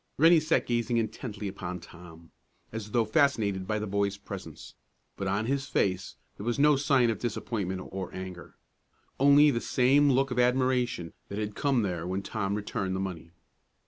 Rennie sat gazing intently upon Tom, as though fascinated by the boy's presence, but on his face there was no sign of disappointment or anger; only the same look of admiration that had come there when Tom returned the money.